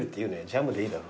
ジャムでいいだろ。